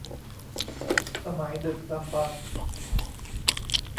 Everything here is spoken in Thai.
สมัยดึกดำบรรพ์